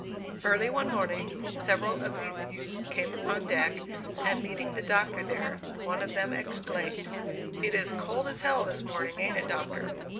Early one morning, several of these youths came upon deck, and, meeting the Doctor there, one of them exclaimed: "It is cold as hell this morning, ain't it, Doctor?"